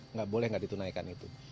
nggak boleh nggak ditunaikan itu